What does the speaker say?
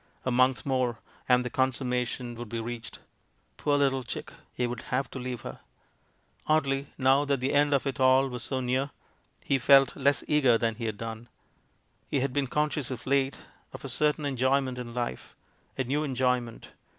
A month more, and the consummation would be reached. Poor little Chick, he would have to leave her ! Oddly, now that the end of it all was so near, he felt less eager than he had done. He had been conscious of late, of a certain enjoyment in life — a new enjoyment.